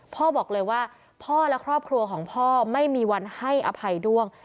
พ่อบอกเลยว่าพ่อและครอบครัวของพ่อไม่มีวันให้อภัยด้วง